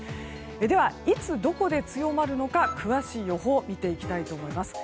では、いつどこで強まるのか詳しい予報を見ていきたいと思います。